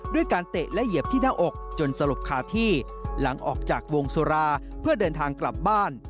ด้วยการเตะและเหยียบที่หน้าอกจนสลบคาที่หลังออกจากวงสุราเพื่อเดินทางกลับบ้าน